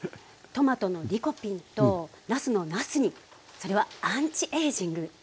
トマトのリコピンとなすのなすにそれはアンチエイジング効果が。